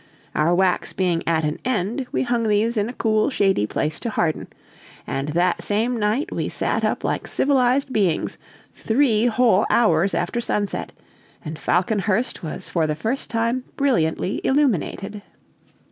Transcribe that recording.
Our wax being at an end, we hung these in a cool, shady place to harden; and that same night we sat up like civilized beings three whole hours after sunset, and Falconhurst was for the first time brilliantly illuminated.